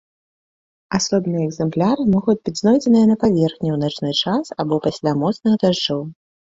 Асобныя экзэмпляры могуць быць знойдзеныя на паверхні ў начны час або пасля моцных дажджоў.